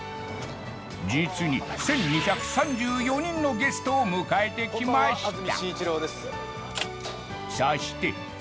実に１２３４人のゲストを迎えてきました